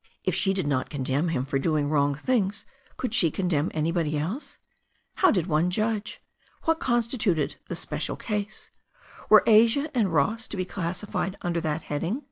If she did not condemn him for doing wrong things could she condemn anybody else? How did one judge? What constituted the "special case"? Were Asia and Ross to be classified under that heading?